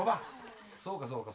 そうかそうか。